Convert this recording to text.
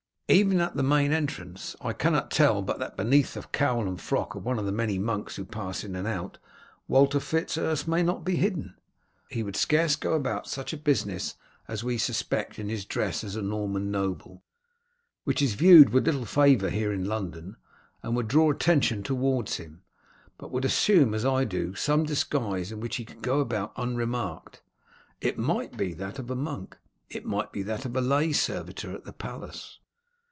Even at the main entrance I cannot tell but that, beneath the cowl and frock of one of the many monks who pass in and out, Walter Fitz Urse may not be hidden. He would scarce go about such a business as we suspect in his dress as a Norman noble, which is viewed with little favour here in London, and would draw attention towards him, but would assume, as I do, some disguise in which he could go about unremarked it might be that of a monk, it might be that of a lay servitor of the palace."